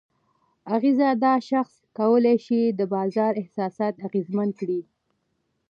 اغېز: دا شاخص کولی شي د بازار احساسات اغیزمن کړي؛